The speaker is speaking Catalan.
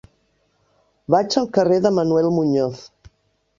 Vaig al carrer de Manuel Muñoz.